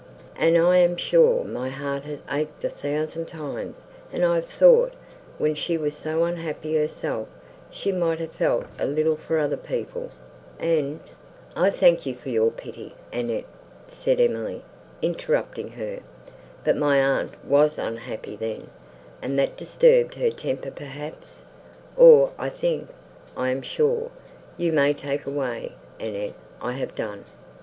And I am sure, my heart has ached a thousand times, and I have thought, when she was so unhappy herself, she might have felt a little for other people, and—" "I thank you for your pity, Annette," said Emily, interrupting her: "but my aunt was unhappy then, and that disturbed her temper perhaps, or I think—I am sure—You may take away, Annette, I have done."